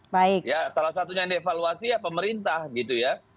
dengan evaluasi ya pemerintah gitu ya